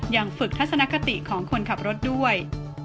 ยังฝึกทัศนคติของคนขับรถด้วย